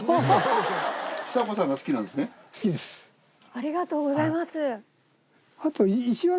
ありがとうございます。